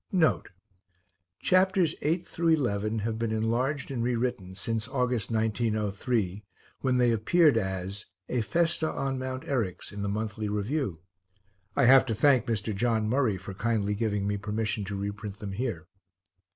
NOTE Chapters VIII XI have been enlarged and re written since August, 1903, when they appeared as A Festa on Mount Eryx in The Monthly Review. I have to thank Mr. John Murray for kindly giving me permission to reprint them here.